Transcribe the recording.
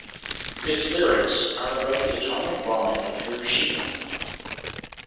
Its lyrics are about the atomic bombing of Hiroshima.